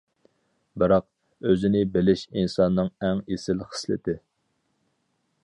بىراق. ئۆزىنى بىلىش ئىنساننىڭ ئەڭ ئېسىل خىسلىتى!